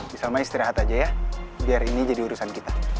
misalnya istirahat aja ya biar ini jadi urusan kita